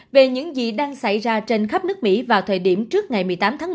về những gì đang xảy ra trên khắp nước mỹ vào thời điểm trước ngày một mươi tám tháng